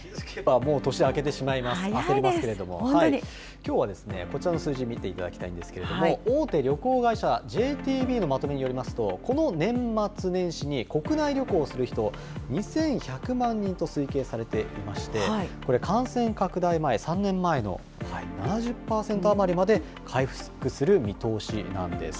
もう年も明けてしまいます、焦りますけれども、きょうはこちらの数字、見ていただきたいんですけれども、大手旅行会社、ＪＴＢのまとめによりますと、この年末年始に国内旅行をする人、２１００万人と推計されていまして、感染拡大前、３年前の７０％余りまで回復する見通しなんです。